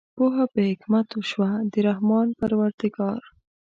پوهه په حکمت شوه د رحمان پروردګار